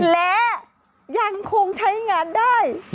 และยังคงใช้งานได้